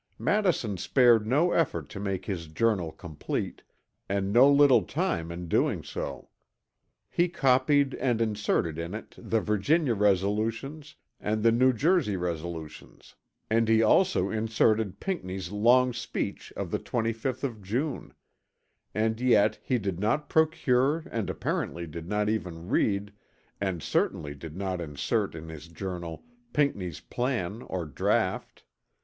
Madison spared no effort to make his journal complete, and no little time in doing so. He copied and inserted in it the Virginia resolutions and the New Jersey resolutions; and he also inserted Pinckney's long speech of the 25th of June; and yet he did not procure and apparently did not even read and certainly did not insert in his journal Pinckney's plan or draught.